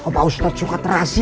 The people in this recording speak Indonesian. pak ustadz suka terasi